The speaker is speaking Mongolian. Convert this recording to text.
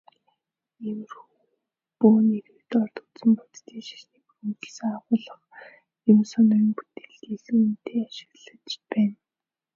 Иймэрхүү бөө нэрийг дорд үзэн Буддын шашныг өргөмжилсөн агуулга Юмсуновын бүтээлд илүүтэй ажиглагдаж байна.